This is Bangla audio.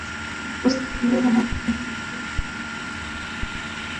আদালত প্রস্তুতি নিয়ে হাইকোর্টের নিয়মিত বেঞ্চে আবেদন দাখিল করার কথাও বলেছেন।